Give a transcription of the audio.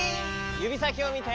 ゆびさきをみて。